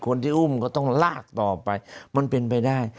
คนที่อุ้มก็ต้องลากต่อไปมันเป็นไปได้